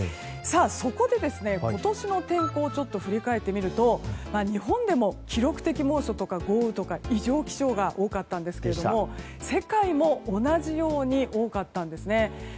そこで、今年の天候を振り返ってみると日本でも記録的猛暑とか豪雨とか異常気象が多かったんですが世界も同じように多かったんですね。